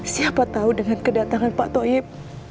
siapa tahu dengan kedatangan pak toyib